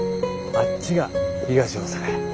あっちが東大阪や。